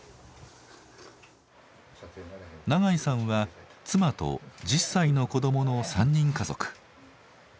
長井さんは妻と１０歳の子どもの３人家族。